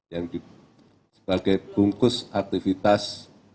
yang sebagai bungkus aktivitas